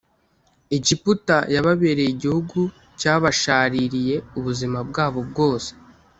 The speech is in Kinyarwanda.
Egiputa yababereye igihugu cyabashaririye ubuzima bwabo bwose